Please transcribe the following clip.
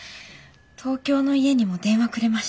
東京の家にも電話くれました。